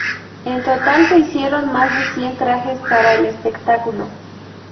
En total se hicieron más de cien trajes para el espectáculo.